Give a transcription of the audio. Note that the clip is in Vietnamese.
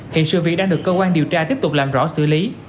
hiện sự việc đang được cơ quan điều tra tiếp tục làm rõ xử lý